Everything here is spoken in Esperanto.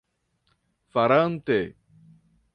farante